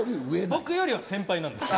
僕よりは先輩なんですよ。